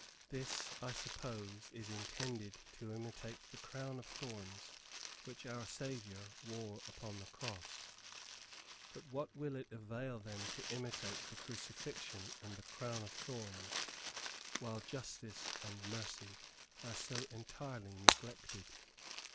This I suppose is intended to imitate the crown of thorns which our Saviour wore upon the cross. But what will it avail them to imitate the crucifixion and the crown of thorns, while justice and mercy are so entirely neglected?